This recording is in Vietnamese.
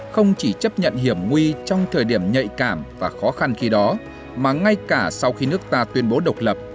không chỉ chấp nhận hiểm nguy trong thời điểm nhạy cảm và khó khăn khi đó mà ngay cả sau khi nước ta tuyên bố độc lập